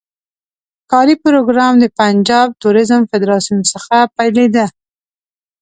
کاري پروګرام د پنجاب توریزم فدراسیون څخه پیلېده.